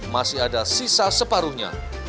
masih ada sisa separuhnya